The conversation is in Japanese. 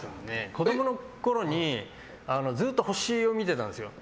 子供のころにずっと星を見てたんですよ。